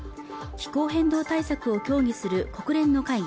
気候変動対策を協議する国連の会議